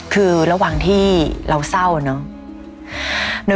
คือระหว่างที่เราเศร้าเนอะ